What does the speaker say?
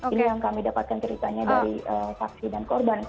ini yang kami dapatkan ceritanya dari saksi dan korban